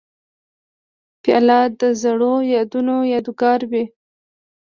پیاله د زړو یادونو یادګار وي.